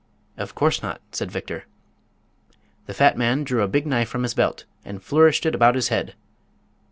"Of course not," said Victor. The fat man drew a big knife from his belt and flourished it about his head.